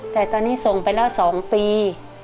แต่ตอนนี้ส่งไปแล้ว๒ปี